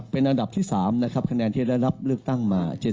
เป็นอันดับที่๓นะครับคะแนนที่ได้รับเลือกตั้งมา